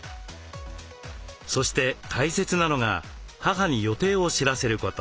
そして大切なのが母に予定を知らせること。